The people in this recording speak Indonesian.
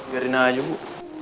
biarin aja bu